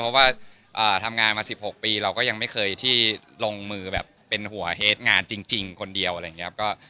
เพราะว่าทำงานมา๑๖ปีเราก็ยังไม่เคยที่ลงมือแบบเป็นหัวเฮดงานจริงคนเดียวอะไรอย่างนี้ครับ